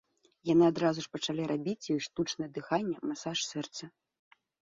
Яны адразу ж пачалі рабіць ёй штучнае дыханне, масаж сэрца.